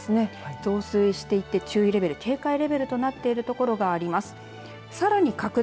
増水していて注意レベル警戒レベルとなっている所があります。